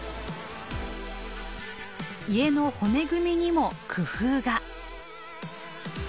家の骨組みにも工夫が。